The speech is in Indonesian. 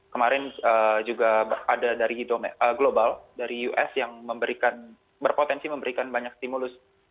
kemarin juga ada dari global dari us yang memberikan berpotensi memberikan banyak stimulus